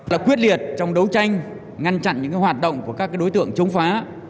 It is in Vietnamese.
là quyết liệt trong đấu tranh ngăn chặn những hoạt động của các đối tượng chống phá